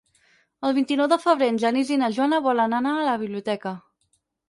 El vint-i-nou de febrer en Genís i na Joana volen anar a la biblioteca.